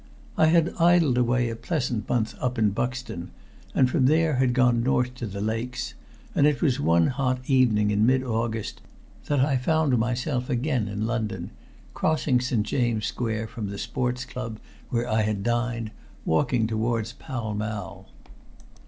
I had idled away a pleasant month up in Buxton, and from there had gone north to the Lakes, and it was one hot evening in mid August that I found myself again in London, crossing St. James's Square from the Sports Club, where I had dined, walking towards Pall Mall.